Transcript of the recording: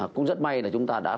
cũng rất may là chúng ta đã